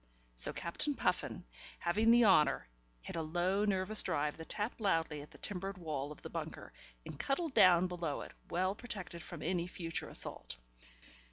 So Captain Puffin, having the honour, hit a low, nervous drive that tapped loudly at the timbered wall of the bunker, and cuddled down below it, well protected from any future assault.